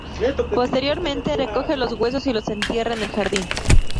Posteriormente, recoge los huesos y los entierra en el jardín.